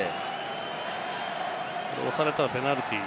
押されたらペナルティー。